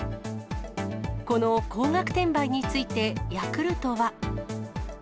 この高額転売について、ヤクルトは。